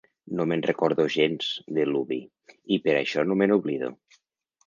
No me'n recordo gens, de l'Uvi, i per això no me n'oblido.